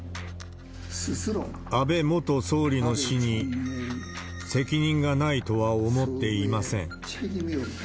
安倍元総理の死に、責任がないとは思っていません。